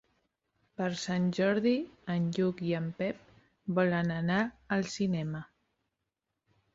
Per Sant Jordi en Lluc i en Pep volen anar al cinema.